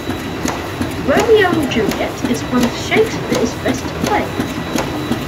Romeo and Juliet is one of Shakespeare’s best plays